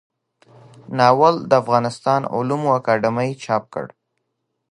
ناول د افغانستان علومو اکاډمۍ چاپ کړ.